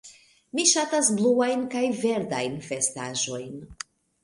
Mi ŝatas bluajn kaj verdajn vestaĵojn.